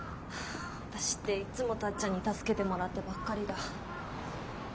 私っていっつもタッちゃんに助けてもらってばっかりだ。